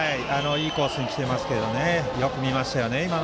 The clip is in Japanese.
いいコースに来てましたがよく見ましたね。